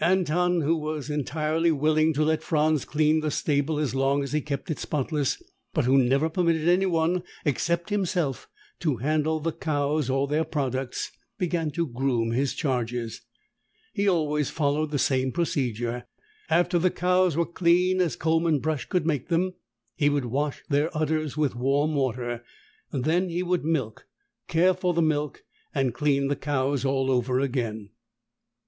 Anton, who was entirely willing to let Franz clean the stable as long as he kept it spotless, but who never permitted anyone except himself to handle the cows or their products, began to groom his charges. He always followed the same procedure. After the cows were clean as comb and brush could make them, he would wash their udders with warm water. Then he would milk, care for the milk and clean the cows all over again.